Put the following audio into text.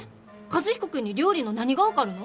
和彦君に料理の何が分かるの？